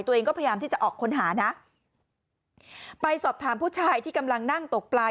พยายามที่จะออกค้นหานะไปสอบถามผู้ชายที่กำลังนั่งตกปลา